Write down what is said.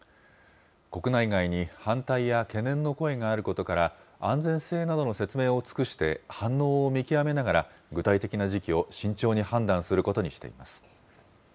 国内外に反対や懸念の声があることから、安全性などの説明を尽くして、反応を見極めながら、具体的な時期を慎重に判断することにしています。